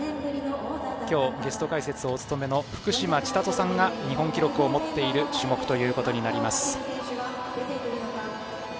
今日、ゲスト解説をお務めの福島千里さんが日本記録を持っている種目となります。